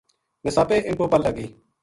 نساپے اِنھ پو پَل لگ گئی